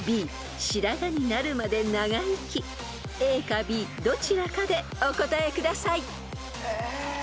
［ＡかＢどちらかでお答えください］